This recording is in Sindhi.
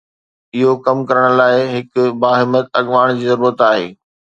اهو ڪم ڪرڻ لاء هڪ باهمت اڳواڻ جي ضرورت آهي.